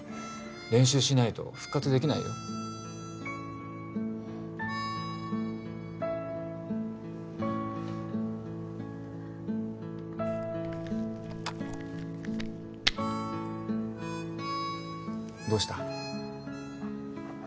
練習しないと復活できないよどうした？